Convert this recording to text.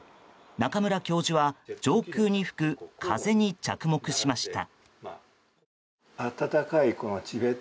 中村教授は上空に吹く風に着目しました。